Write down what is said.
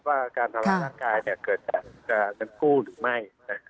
ว่าการทำร้ายร่างกายเกิดจากเงินกู้หรือไม่